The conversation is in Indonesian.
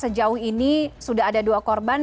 sejauh ini sudah ada dua korban